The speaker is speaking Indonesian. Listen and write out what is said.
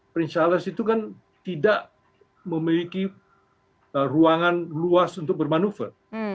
princealles itu kan tidak memiliki ruangan luas untuk bermanuver